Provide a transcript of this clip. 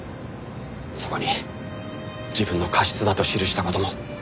そこに自分の過失だと記した事も。